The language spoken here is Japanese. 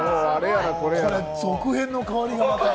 続編の香りがまた。